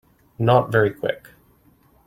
Not very Quick.